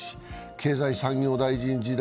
経済産業大臣時代